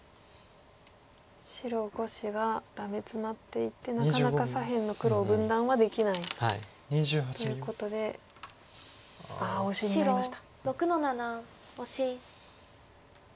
白５子がダメヅマっていてなかなか左辺の黒を分断はできない。ということでああオシになりました。